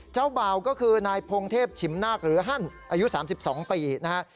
เจ้าบ่าวก็คือนายพงเทพฉิมนาคหรือฮั่นอายุ๓๒ปีนะฮะ